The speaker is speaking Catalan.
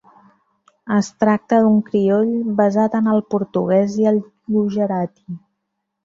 Es tracta d'un crioll basat en el portuguès i el gujarati.